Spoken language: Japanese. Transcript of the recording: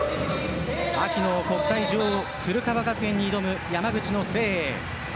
秋の国体女王、古川学園に挑む山口の誠英。